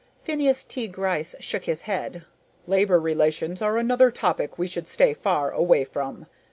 Phineas T. Gryce shook his head. "Labor relations are another topic we should stay far away from.